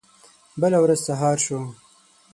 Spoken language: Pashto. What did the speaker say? بله ورځ سهار شو.